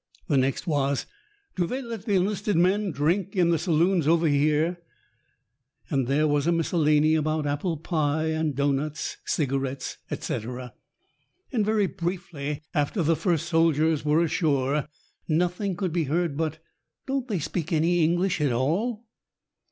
The next was, "Do they let the enlisted men drink in the saloons over here?" and there was a miscellany about apple pie and doughnuts, cigarettes, etc. And very briefly after the first soldiers were ashore nothing could be heard but "Don't they speak any English at all?"